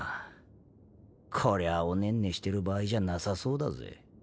こりゃあおねんねしてる場合じゃなさそうだぜ。